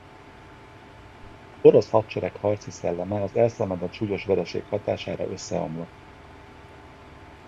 A porosz hadsereg harci szelleme az elszenvedett súlyos vereség hatására összeomlott.